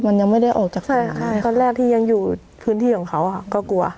มันยังไม่ได้ออกจากตอนแรกที่ยังอยู่พื้นที่ของเขาก็กลัว